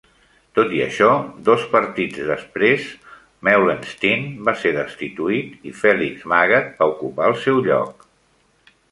Tot i això, dos partits després, Meulensteen va ser destituït i Félix Magath va ocupar el seu lloc.